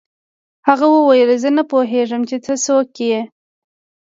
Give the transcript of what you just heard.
هغه وویل زه نه پوهېږم چې ته څوک یې